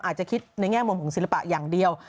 อาจจะคิดในแง่มุมของศิลปะอย่างเดียว